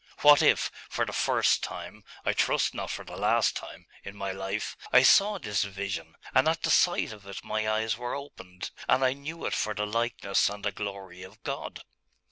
What if, for the first time, I trust not for the last time, in my life, I saw this vision; and at the sight of it my eyes were opened, and I knew it for the likeness and the glory of God?